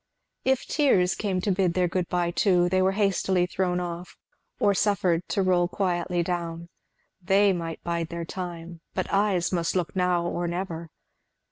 If tears came to bid their good by too, they were hastily thrown off, or suffered to roll quietly down; they might bide their time; but eyes must look now or never.